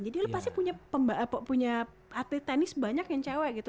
jadi lo pasti punya atlet tenis banyak yang cewek gitu